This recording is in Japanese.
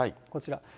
こちら。